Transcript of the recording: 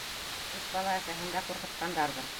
Өс бала әсәһен дә ҡурҡытҡандарҙыр.